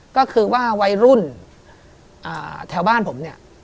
ก็คือว่าไวรุ่นแถวบ้านผม